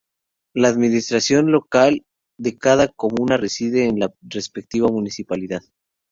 La administración local de cada comuna reside en la respectiva Municipalidad.